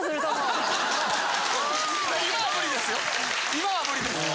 今は無理ですよ。